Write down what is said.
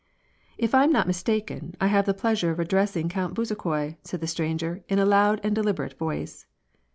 "If I am not mistaken, I have the pleasure of addressing Count Bezukhoi," said the stranger, in a loud and deliberate voice.